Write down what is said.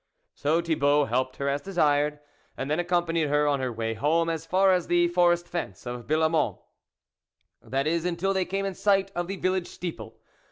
So Thibault helped her as desired, and then accompanied her on her way home as far as the Forest fence of Billemont, that is until they came in sight of the village steeple.